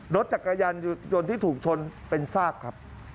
รถจักรยานยนต์ที่ถูกชนเป็นซากครับ